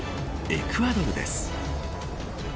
エクアドルです。